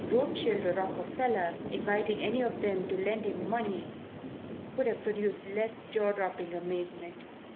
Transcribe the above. Rothschild or Rockefeller inviting any of them to lend him money would have produced less jaw dropping amazement.